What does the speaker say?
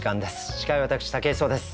司会は私武井壮です。